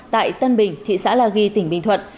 tại tân bình thị xã la ghi tỉnh bình thuận